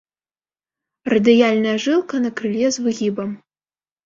Радыяльная жылка на крыле з выгібам.